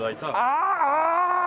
ああ！